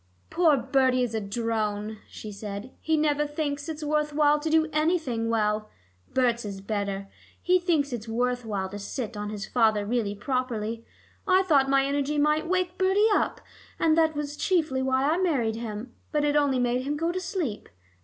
"Poor Bertie is a drone," she said; "he never thinks it worth while to do anything well. Berts is better: he thinks it worth while to sit on his father really properly. I thought my energy might wake Bertie up, and that was chiefly why I married him. But it only made him go to sleep.